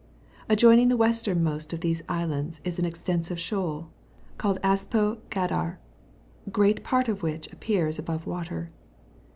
Adjoining the westernmost of these islands is an extensive shoals called Aspo Gaddar, great part of which appears above water.